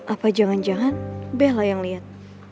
apa jangan jangan bella yang liat